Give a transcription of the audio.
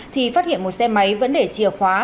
thì phát hiện một xe máy vẫn để chìa khóa